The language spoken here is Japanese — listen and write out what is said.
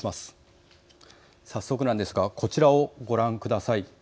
早速なんですがこちらをご覧ください。